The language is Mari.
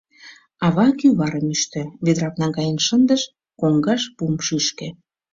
Ава кӱварым ӱштӧ, ведрам наҥгаен шындыш, коҥгаш пум шӱшкӧ.